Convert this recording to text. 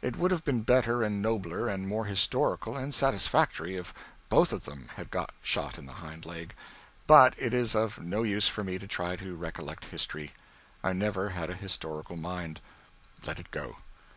It would have been better and nobler and more historical and satisfactory if both of them had got shot in the hind leg but it is of no use for me to try to recollect history. I never had a historical mind. Let it go.